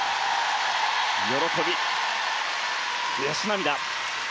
喜び、悔し涙。